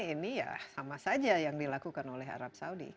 ini ya sama saja yang dilakukan oleh arab saudi